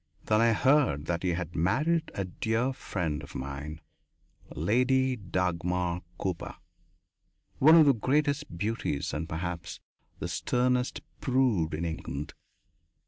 Then I heard that he had married a dear friend of mine Lady Dagmar Cooper, one of the greatest beauties and perhaps the sternest prude in England.